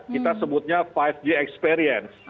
kita sebutnya lima g experience